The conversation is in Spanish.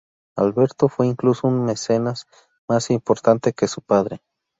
Alberto fue incluso un mecenas más importante que su padre.